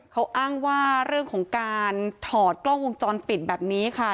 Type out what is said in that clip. เขาอ้างว่าเรื่องของการถอดกล้องวงจรปิดแบบนี้ค่ะ